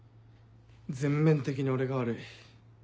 全面的に俺が悪い。